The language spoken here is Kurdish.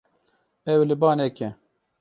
Ew ê li ba neke.